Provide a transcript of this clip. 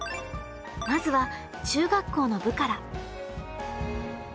まずは中学校の部から。